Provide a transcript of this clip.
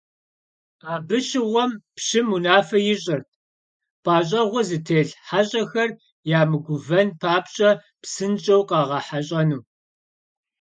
Абы щыгъуэм пщым унафэ ищӀырт - пӏащӏэгъуэ зытелъ хьэщӀэхэр ямыгувэн папщӏэ псынщӀэу къагъэхьэщӏэну.